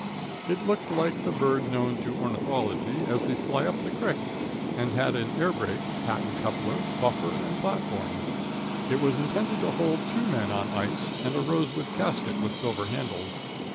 It looked like the bird known to ornithology as the flyupithecrick, and had an air brake, patent coupler, buffer and platform. It was intended to hold two men on ice and a rosewood casket with silver handles.